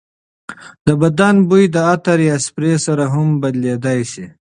د بدن بوی د عطر یا سپرې سره هم بدلېدای شي.